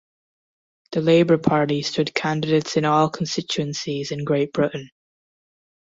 The Labour Party stood candidates in all constituencies in Great Britain.